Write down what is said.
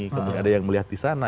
kemudian ada yang melihat di sana